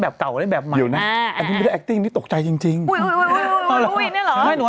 เพราะว่า